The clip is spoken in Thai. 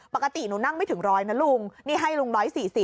ปกติหนูนั่งไม่ถึงร้อยนะลุงนี่ให้ลุง๑๔๐